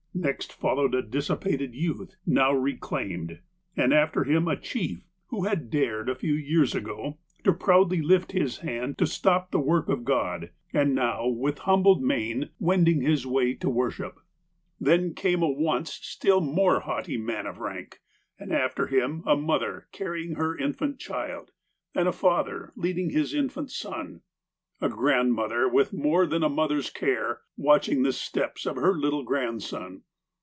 Next followed a dissipated youth, now re claimed ; and after him a chief, who had dared, a few years ago, to proudly lift his hand to stop the work of God, and now, NOTABLE VISITORS 239 with humble mien, wending his way to worship. Then came a once still more haughty man of rank ; and after him a mother carrying her infant child, and a father leading his infant son. A grandmother, with more than a mother's care, watching the steps of her little grandson.